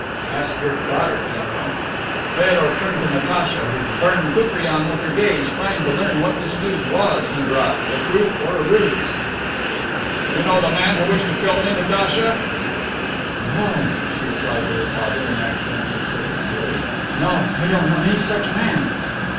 "Ask your daughter, General." Feodor turned toward Natacha, who burned Koupriane with her gaze, trying to learn what this news was he brought the truth or a ruse. "You know the man who wished to kill me, Natacha?" "No," she replied to her father, in accents of perfect fury. "No, I don't know any such man."